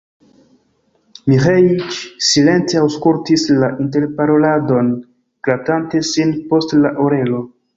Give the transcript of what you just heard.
Miĥeiĉ silente aŭskultis la interparoladon, gratante sin post la orelo.